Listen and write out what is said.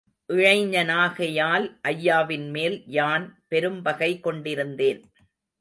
இளைஞனாகையால் ஐயாவின் மேல் யான் பெரும்பகை கொண்டிருந்தேன்.